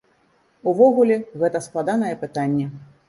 Увогуле, гэта складанае пытанне.